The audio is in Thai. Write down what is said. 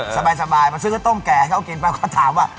สบายมาซื้อข้าวต้มแก่ให้เขากินไปก็ถามว่า